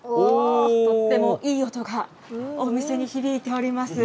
とってもいい音がお店に響いております。